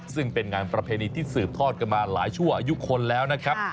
ซึ่งเป็นงานประเพณีที่สืบทอดกันมาหลายชั่วอายุคนแล้วนะครับ